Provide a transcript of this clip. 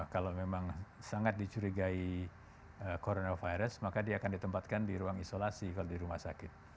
kalau memang sangat dicurigai coronavirus maka dia akan ditempatkan di ruang isolasi kalau di rumah sakit